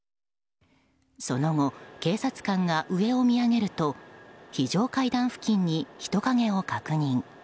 その後、警察官が上を見上げると非常階段付近に人影を確認。